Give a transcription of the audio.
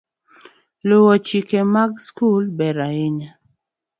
Luwo chik mar sikul ber ahinya